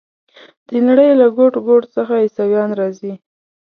د نړۍ له ګوټ ګوټ څخه عیسویان راځي.